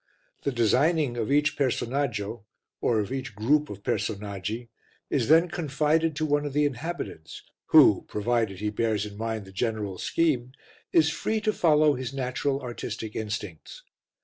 The designing of each personaggio, or of each group of personaggi, is then confided to one of the inhabitants, who, provided he bears in mind the general scheme, is free to follow his natural artistic instincts.